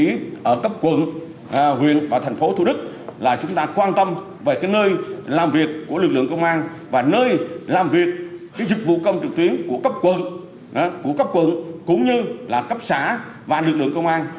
trong cấp quận huyện và thành phố thu đức là chúng ta quan tâm về cái nơi làm việc của lực lượng công an và nơi làm việc cái dịch vụ công trực tuyến của cấp quận cũng như là cấp xã và lực lượng công an